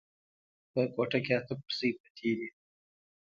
په کوټه کې اته کرسۍ پرتې دي.